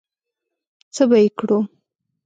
څه به یې کړو؟